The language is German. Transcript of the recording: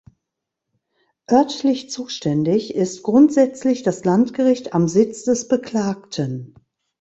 Örtlich zuständig ist grundsätzlich das Landgericht am Sitz des Beklagten.